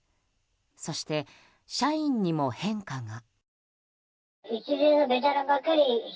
そして、社員にも変化が。